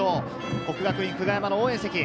國學院久我山の応援席。